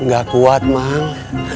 gak kuat mang